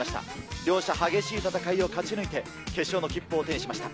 両者激しい戦いを勝ち抜いて、決勝の切符を手にしました。